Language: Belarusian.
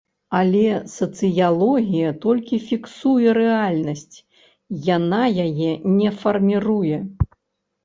Але сацыялогія толькі фіксуе рэальнасць, яна яе не фарміруе.